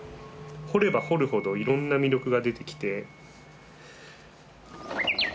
掘れば掘るほどいろんな魅力が出てきて。